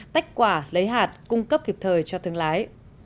tách quả lấy hạt cung cấp kịp thời cho thương lái